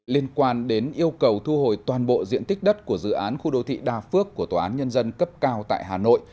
liên quan đến yêu cầu thu hồi toàn bộ diện tích đất của dự án khu đô thị đà phước của tòa án nhân dân cấp cao tại hà nội